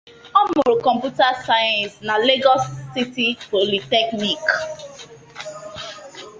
Ọ mụrụ kọmputa sayensị na Legọọsụ City Politekniki.